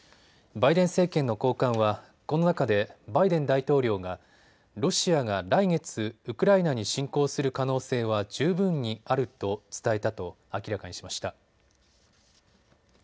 バイデン政権の高官はこの中でバイデン大統領がロシアが来月、ウクライナに侵攻する可能性は十分にあると伝えたと明らかにしました。